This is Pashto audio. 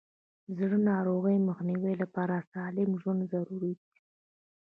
د زړه ناروغیو مخنیوي لپاره سالم ژوند ضروري دی.